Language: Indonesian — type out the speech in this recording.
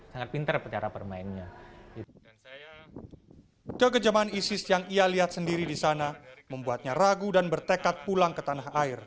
sangat pinter secara permainnya coget zaman isis yang ia lihat sendiri di sana membuatnya ragu dan bertekad pulang ke kota